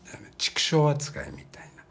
畜生扱いみたいな。